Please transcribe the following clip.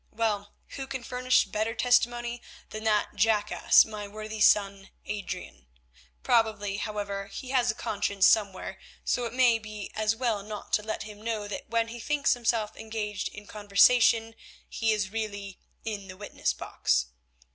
Well, who can furnish better testimony than that jackass, my worthy son, Adrian? Probably, however, he has a conscience somewhere, so it may be as well not to let him know that when he thinks himself engaged in conversation he is really in the witness box.